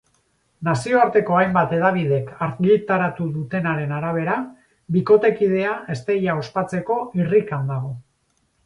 Nazioarteko hainbat hedabidek argitaratu dutenaren arabera, bikotekidea ezteia ospatzeko irrikan dago.